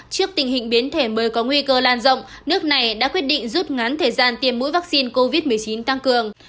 trước tình hình biến thể mới có nguy cơ lan rộng nước này đã quyết định rút ngắn thời gian tiêm mũi vaccine covid một mươi chín tăng cường